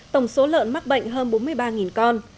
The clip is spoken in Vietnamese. tổng số lợn mắc bệnh hơn bốn mươi ba con